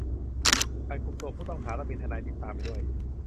การคุมตัวผู้ต้องหา ต้องมีทนายติดตามไปด้วย